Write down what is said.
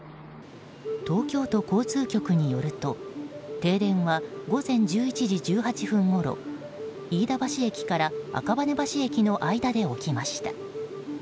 東京都交通局によると停電は午前１１時１８分ごろ飯田橋駅から赤羽橋駅の間で起きました。